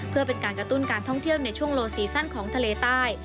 เพื่อเป็นการกระตุ้นการท่องเที่ยวในช่วงโลซีซั่นของทะเลใต้